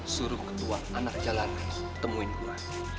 suruh ketua anak jalanan temuin gua